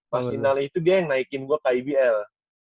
mas inal itu dia yang naikin gue ke ibl